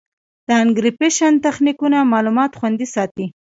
د انکریپشن تخنیکونه معلومات خوندي ساتي.